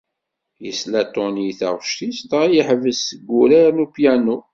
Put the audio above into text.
Yesla Tony i taɣect-is dɣa yeḥbes seg urar n upyanu.